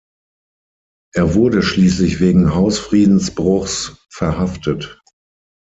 Er wurde schließlich wegen Hausfriedensbruchs verhaftet.